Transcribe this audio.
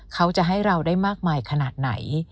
เขาจะให้เราได้มากมายขนาดไหน